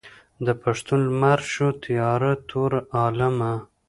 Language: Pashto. د پښتون لمر شو تیاره تور عالمه.